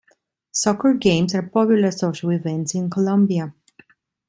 Soccer games are popular social events in Colombia.